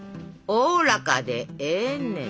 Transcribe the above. おおらかでええねん。